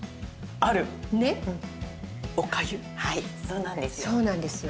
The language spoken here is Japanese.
はいそうなんですよ。